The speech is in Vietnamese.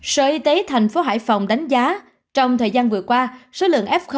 sở y tế thành phố hải phòng đánh giá trong thời gian vừa qua số lượng f